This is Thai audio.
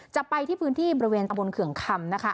จะไปที่พื้นที่บริเวณตำบลเขื่องคำนะคะ